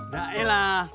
nggak eh lah